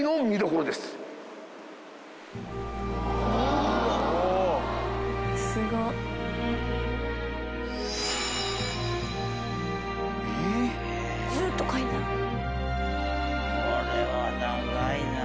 「これは長いな」